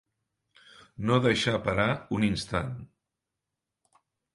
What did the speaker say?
No deixar parar un instant.